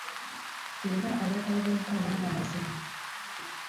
Era ayagala bwenkanya na mazima.